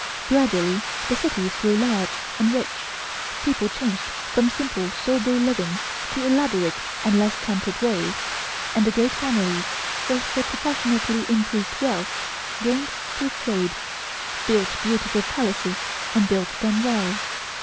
Gradually the cities grew large and rich. People changed from simple sober living to elaborate and less temperate ways, and the great families, with their proportionately increased wealth gained through trade, built beautiful palaces and built them well.